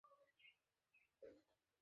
হ্যা, আমি আমার নিজের চোখে দেখছি, স্যার।